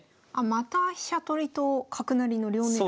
また飛車取りと角成りの両狙い。